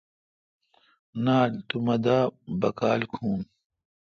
نال تو مہ دا باکال کھو۔